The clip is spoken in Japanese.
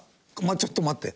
ちょっと待って。